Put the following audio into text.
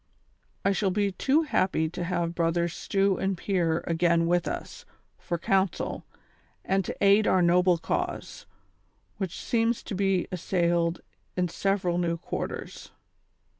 I shall be too happy to have brothers Stew and Pier again with us, for counsel, and to aid our noble cause, which seems to be assailed in several new quarters."